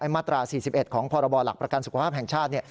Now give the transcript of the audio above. มาตรา๔๑ของพรบหลักประกันสุขภาพแห่งชาติ